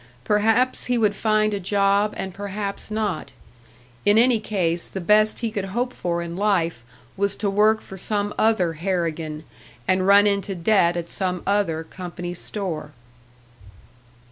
Perhaps he would find a job and perhaps not; in any case, the best he could hope for in life was to work for some other Harrigan, and run into debt at some other company store.